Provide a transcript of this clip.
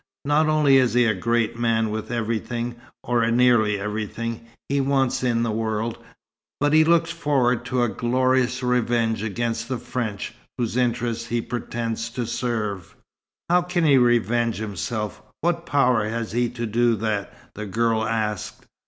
Not only is he a great man, with everything or nearly everything he wants in the world, but he looks forward to a glorious revenge against the French, whose interests he pretends to serve." "How can he revenge himself? What power has he to do that?" the girl asked.